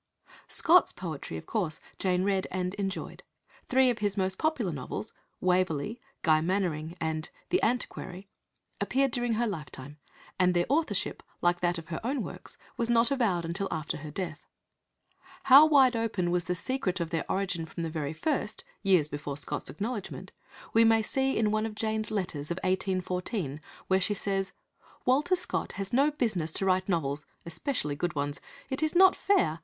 Scott's poetry, of course, Jane read and enjoyed. Three of his most popular novels Waverley, Guy Mannering, and The Antiquary appeared during her lifetime, and their authorship, like that of her own works, was not avowed until after her death. How wide open was the "secret" of their origin from the very first, years before Scott's acknowledgment, we may see in one of Jane's letters of 1814, where she says: "Walter Scott has no business to write novels; especially good ones. It is not fair.